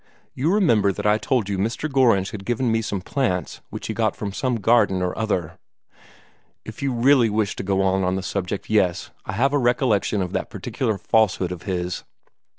You remember that I told you Mr. Gorringe had given me some plants, which he got from some garden or other?" "If you really wish to go on with the subject yes I have a recollection of that particular falsehood of his."